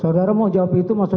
saya akan mencoba untuk mencoba